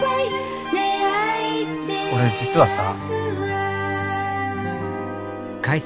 俺実はさ。